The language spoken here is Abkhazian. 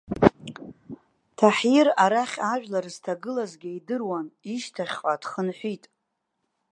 Таҳир, арахь ажәлар зҭагылазгьы идыруан, ишьҭахьҟа дхынҳәит.